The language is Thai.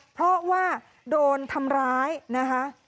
เพราะว่าโดนทำร้ายนะคะ